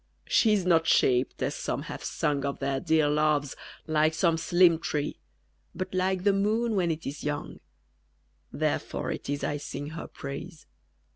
_ She is not shaped, as some have sung Of their dear loves, like some slim tree, But like the moon when it is young: _Therefore it is I sing her praise.